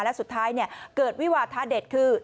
และสุดท้ายเกิดวิวาทะเด็ดคือ